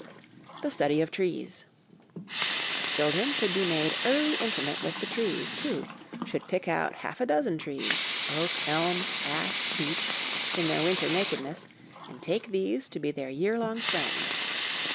The Study of Trees. Children should be made early intimate with the trees, too; should pick out half a dozen trees, oak, elm, ash, beech, in their winter nakedness, and take these to be their year long friends.